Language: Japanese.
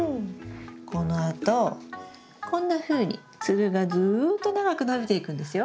このあとこんなふうにつるがずっと長く伸びていくんですよ。